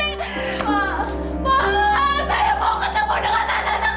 saya hanya ingin mengantarkan mereka untuk terakhir kali